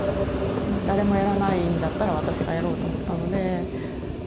誰もやらないんだったら私がやろうと思ったので。